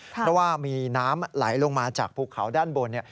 เพราะว่ามีน้ำไหลลงมาจากภูเขาด้านบน